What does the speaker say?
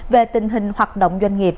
về tình hình hoạt động doanh nghiệp